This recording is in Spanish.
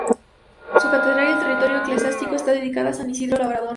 Su catedral y el territorio eclesiástico está dedicada a San Isidro Labrador.